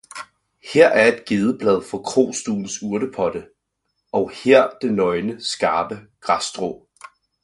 Her er gedeblad fra krostuens urtepotte, og her det nøgne, skarpe græsstrå